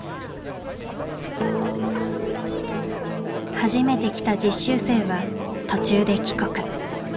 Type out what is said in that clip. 初めて来た実習生は途中で帰国。